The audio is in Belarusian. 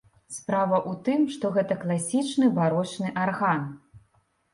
Справа ў тым, што гэта класічны барочны арган.